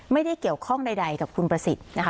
ไม่ได้เกี่ยวข้องใดกับคุณประสิทธิ์นะคะ